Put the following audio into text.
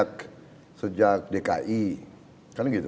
pemenang toimeng itu